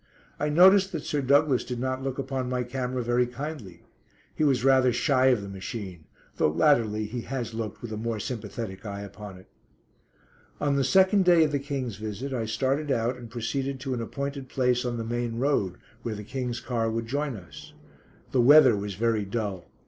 I noticed that Sir Douglas did not look upon my camera very kindly. He was rather shy of the machine, though latterly he has looked with a more sympathetic eye upon it. On the second day of the King's visit I started out and proceeded to an appointed place on the main road, where the King's car would join us. The weather was very dull.